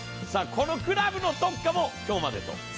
さあこのクラブの特価も今日までと。